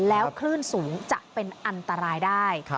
แล้วคลื่นสูงจะเป็นอันตรายได้